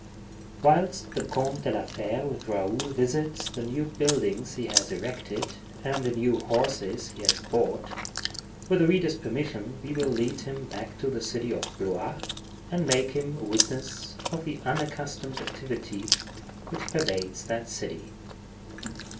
Whilst the Comte de la Fere with Raoul visits the new buildings he has erected, and the new horses he has bought, with the reader's permission we will lead him back to the city of Blois, and make him a witness of the unaccustomed activity which pervades that city.